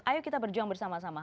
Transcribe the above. ayo kita berjuang bersama sama